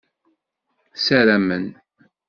Ssaramen.